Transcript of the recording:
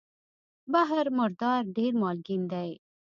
بحر مردار ډېر مالګین دی.